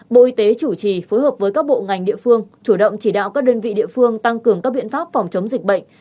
bộ y tế chủ trì phối hợp với các bộ ngành địa phương chủ động chỉ đạo các đơn vị địa phương tăng cường các biện pháp phòng chống dịch bệnh